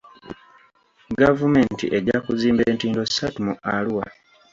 Gavumenti ejja kuzimba entindo ssatu mu Arua.